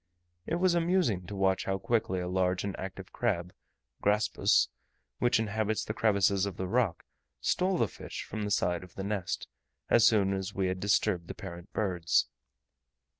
It was amusing to watch how quickly a large and active crab (Graspus), which inhabits the crevices of the rock, stole the fish from the side of the nest, as soon as we had disturbed the parent birds.